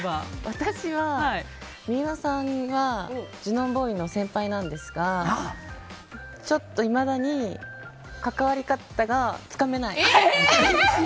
私は三浦さんがジュノンボーイの先輩なんですがちょっといまだに関わり方がつかめない。